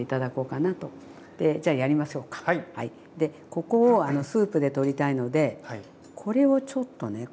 ここをスープで取りたいのでこれをちょっとねちょっと切りますね。